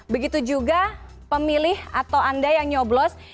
begitu juga pemilih atau anda yang nyoblos